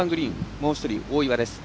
もう１人、大岩です。